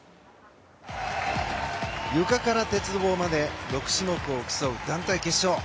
ゆかから鉄棒まで６種目を競う団体決勝。